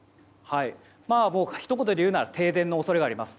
ひと言で言うなら停電の恐れがあります。